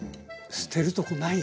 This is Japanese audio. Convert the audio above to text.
捨てるとこない。